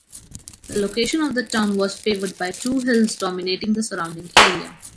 The location of the town was favored by two hills dominating the surrounding area.